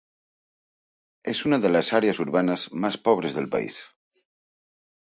Es una de las áreas urbanas más pobres del país.